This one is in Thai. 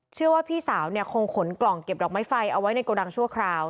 เชื่อว่าพี่สาวเนี่ยคงขนกล่องเก็บดอกไม้ไฟเอาไว้ในโกดังชั่วคราว